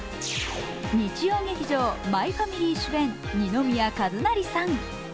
日曜劇場「マイファミリー」主演・二宮和也さん。